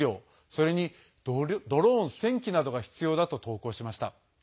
それにドローン１０００機などが必要だと投稿しました。